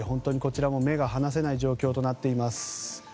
こちらも目が離せない状況となっています。